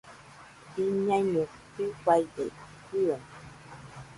Biñaiño jɨfaide jɨaɨ